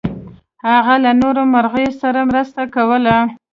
هغه له نورو مرغیو سره مرسته کوله.